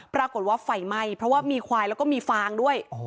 ปรากฏว่าไฟไหม้เพราะว่ามีควายแล้วก็มีฟางด้วย